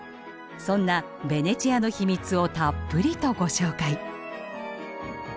そんなベネチアの秘密をたっぷりとご紹介。